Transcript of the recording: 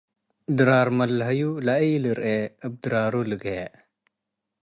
ድራር መለሀዩ ለኢልርኤ እብ ድራሩ ልግሄ።